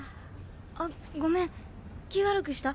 あごめん気悪くした？